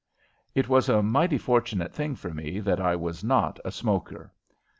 It was a mighty fortunate thing for me that I was not a smoker.